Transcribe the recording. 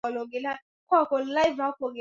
Tusikilizane nju ya beyi ya kuza mashamba